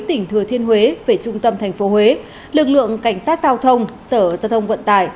tỉnh thừa thiên huế về trung tâm thành phố huế lực lượng cảnh sát giao thông sở giao thông vận tải